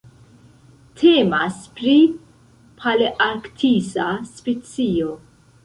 Temas pri palearktisa specio.